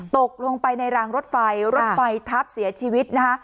ตกลงไปในรางรถไฟรถไฟทับเสียชีวิตนะคะ